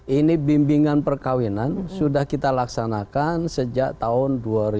ini bimbingan perkawinan sudah kita laksanakan sejak tahun dua ribu dua